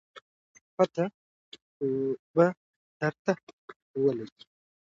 پته به درته ولګي